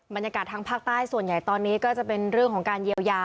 ทางภาคใต้ส่วนใหญ่ตอนนี้ก็จะเป็นเรื่องของการเยียวยา